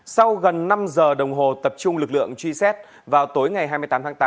sau gần năm giờ đồng hồ tập trung lực lượng truy xét vào tối ngày hai mươi tám tháng tám